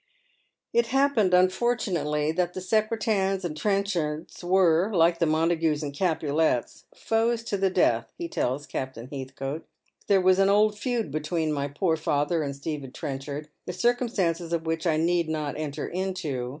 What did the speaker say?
"It happened, unfortunately, that the Secretans and Tren chards were, like the Montagues and Capulets, foes to the death," he tells Captain Heathcote. " There was an old feud between my poor father and Stephen Trenchard, the circumstances of which I need not enter into.